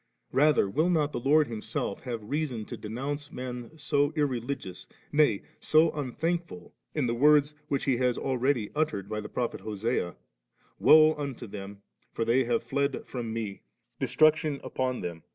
Rather, will not the Lord Himself have reason to denounce men so irreligious, nay, so un thankful, in the words which He has already uttered by the prophet Hosea, * Woe unto them, for they have fled from Me ; destruction upon 8 Vid.